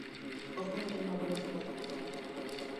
Ohore mabor kocha